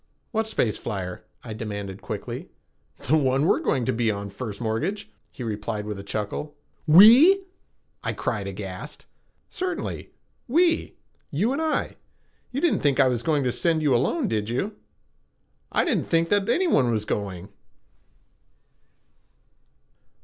"What space flyer?" I demanded quickly. "The one we are going to be on, First Mortgage," he replied with a slight chuckle. "We?" I cried, aghast. "Certainly. We. You and I. You didn't think I was going to send you alone, did you?" "I didn't know that anyone was going."